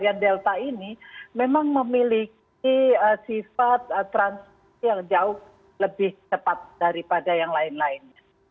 varian delta ini memang memiliki sifat transisi yang jauh lebih cepat daripada yang lain lainnya